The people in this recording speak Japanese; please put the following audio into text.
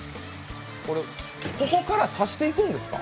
これ、ここから刺していくんですか？